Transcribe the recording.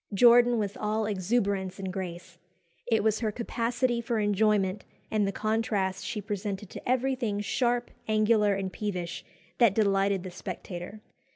Jordan was all exuberance and grace. It was her capacity for enjoyment, and the contrast she presented to everything sharp, angular, and peevish, that delighted the spectator.